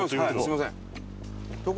すみません。